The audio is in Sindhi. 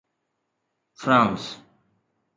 فرانس